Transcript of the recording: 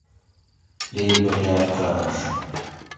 یہ ای بکۤار چارنش